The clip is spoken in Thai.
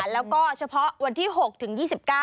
แล้วก็เฉพาะวันที่๖ถึง๒๙